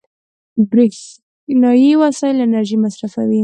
برېښنایي وسایل انرژي مصرفوي.